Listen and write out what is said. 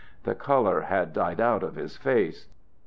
The color had died out of his face.